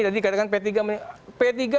jadi kadang kadang p tiga